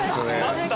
「待った？」